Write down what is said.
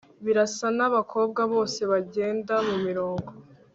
birasa nabakobwa bose bagenda mumirongo